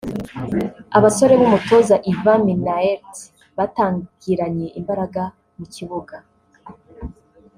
Abasore b’umutoza Ivan Minnaert batangiranye imbaraga mu kibuga